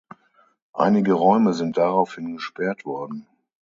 Einige Räume sind daraufhin gesperrt worden.